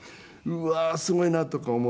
うわーすごいなとか思って。